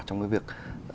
trong cái việc